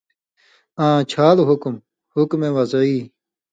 آں چھال حکم (حکم وضعی)۔